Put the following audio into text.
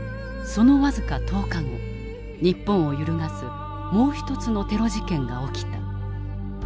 その僅か１０日後日本を揺るがすもう一つのテロ事件が起きた。